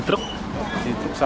di truk sama